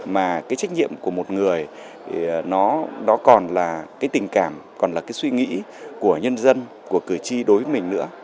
mà cái trách nhiệm của một người thì nó còn là cái tình cảm còn là cái suy nghĩ của nhân dân của cử tri đối với mình nữa